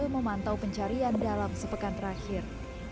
memantau pencarian dalam sepekan terakhir